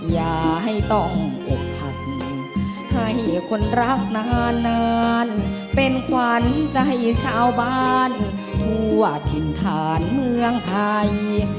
อย่าให้ต้องอกหักให้คนรักนานเป็นขวัญใจชาวบ้านทั่วถิ่นฐานเมืองไทย